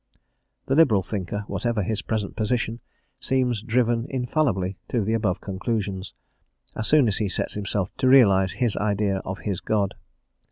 The liberal thinker, whatever his present position, seems driven infallibly to the above conclusions, as soon as he sets himself to realise his idea of his God.